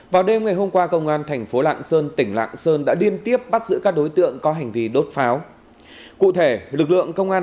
vào đêm ngày hôm qua công an thành phố lạng sơn tỉnh lạng sơn đã liên tiếp bắt giữ các đối tượng có hành vi đốt pháo